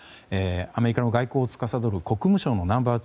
アメリカの外交をつかさどる国務省のナンバー２